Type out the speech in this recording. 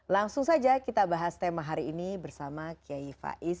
langsung saja kita bahas tema hari ini bersama k h m f